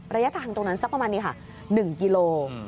ระยะทางตรงนั้นสักประมาณนี้ค่ะ๑กิโล